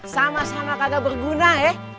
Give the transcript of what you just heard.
sama sama kata berguna ya